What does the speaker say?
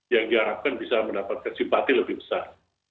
yang diharapkan bisa mendapatkan simpati lebih besar